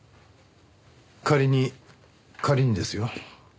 仮に仮にですよ。